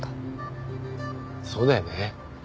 そうだよね。